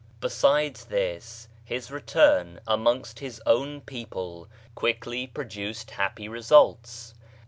Besides this, his return amongst his own people quickly produced happy results.